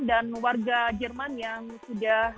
dan warga jerman yang sudah